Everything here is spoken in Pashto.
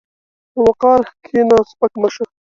په وقار کښېنه، سپک مه شه.